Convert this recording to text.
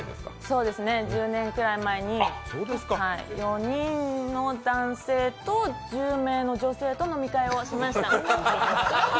そうですね、１０年くらい前に４人の男性と１０名の女性と飲み会をしました。